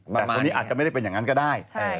แต่คนนี้อาจจะไม่ได้เป็นอย่างนั้นก็ได้